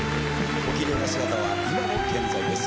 おきれいな姿は今も健在です。